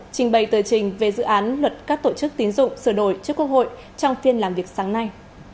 trình bày tờ trình về dự án luật các tổ chức tín dụng sửa đổi trước quốc hội trong phiên làm việc sáng nay